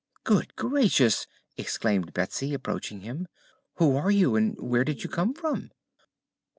"Good gracious!" exclaimed Betsy, approaching him. "Who are you, and where did you come from?"